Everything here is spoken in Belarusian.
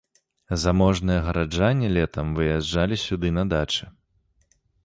Заможныя гараджане летам выязджалі сюды на дачы.